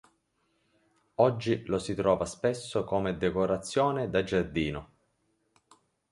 Oggi lo si trova spesso come decorazione da giardino.